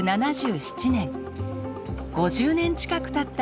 ５０年近くたった